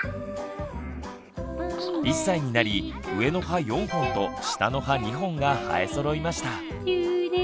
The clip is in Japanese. １歳になり上の歯４本と下の歯２本が生えそろいました。